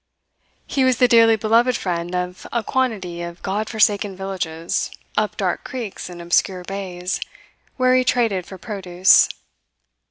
He was the dearly beloved friend of a quantity of God forsaken villages up dark creeks and obscure bays, where he traded for produce.